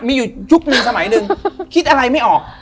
มีอยู่ยุคหนึ่งสมัยหนึ่งคิดอะไรไม่ออก